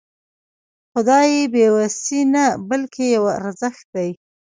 خو دا بې وسي نه بلکې يو ارزښت دی.